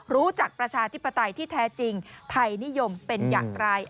ประชาธิปไตยที่แท้จริงไทยนิยมเป็นอย่างไร